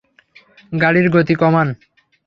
গাড়ির গতি কমান।